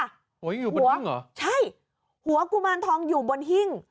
โอ้โหอยู่บนหิ้งเหรอใช่หัวกุมารทองอยู่บนหิ้ง